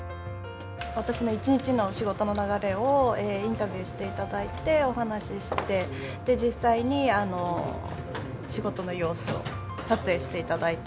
私の１日の仕事の流れをインタビューしていただいて、お話して、で、実際に仕事の様子を撮影していただいた。